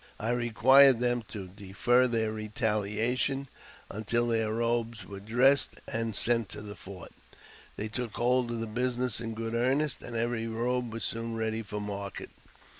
I required them to defer their retahation until their robes were dressed and sent to the fort. They took hold of the business in good earnest, and every robe was soon ready for market.